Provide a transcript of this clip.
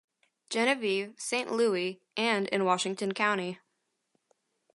Genevieve, Saint Louis, and in Washington County.